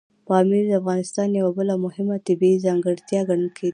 پامیر د افغانستان یوه بله مهمه طبیعي ځانګړتیا ګڼل کېږي.